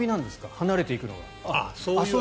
離れていくのが。